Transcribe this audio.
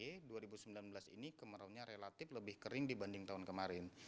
di dua ribu sembilan belas ini kemaraunya relatif lebih kering dibanding tahun kemarin